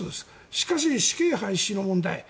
しかし、死刑廃止の問題